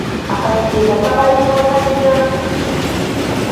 Akasiimo kabalibwa katya?